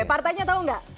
partainya tahu nggak